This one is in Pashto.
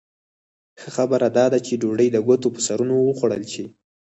ښه خبره دا ده چې ډوډۍ د ګوتو په سرونو وخوړل شي.